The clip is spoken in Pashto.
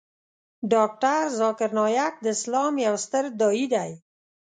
ډاکتر ذاکر نایک د اسلام یو ستر داعی دی .